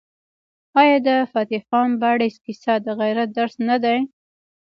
آیا د فتح خان بړیڅ کیسه د غیرت درس نه دی؟